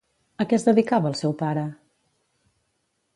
A què es dedicava el seu pare?